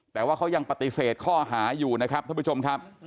แต่ว่าเขายังปฏิเสธข้อหาอยู่นะครับท่านผู้ชมครับ